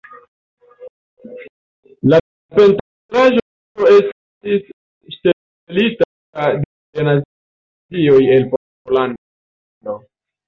La pentraĵo estis ŝtelita de Nazioj el Pollando.